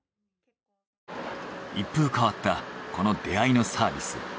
一風変わったこの出会いのサービス。